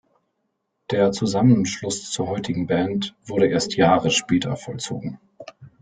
Der Zusammenschluss zur heutigen Band wurde erst Jahre später vollzogen.